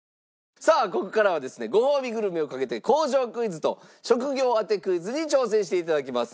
さあここからはですねごほうびグルメをかけて工場クイズと職業当てクイズに挑戦して頂きます。